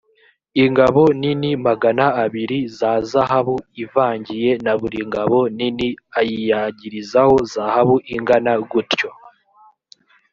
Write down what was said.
ingabo nini magana abiri za zahabu ivangiye na buri ngabo nini ayiyagirizaho zahabu ingana gutyo